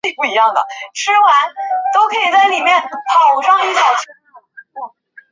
蒂廷格是德国巴伐利亚州的一个市镇。